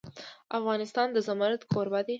افغانستان د زمرد کوربه دی.